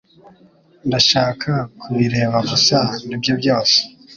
Ndashaka kubireba gusa, nibyo byose.